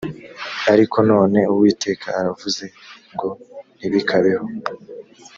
ariko none uwiteka aravuze ngo ntibikabeho